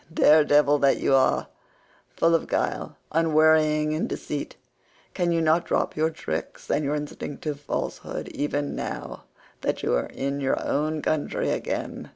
Dare devil that you are, full of guile, unwearying in deceit, can you not drop your tricks and your instinctive falsehood, even now that you are in your own country again?